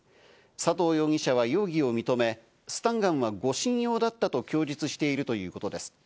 佐藤容疑者は容疑を認め、スタンガンは護身用だったと供述しているということです。